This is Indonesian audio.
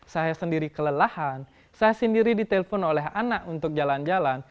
saya sendiri kelelahan saya sendiri ditelepon oleh anak untuk jalan jalan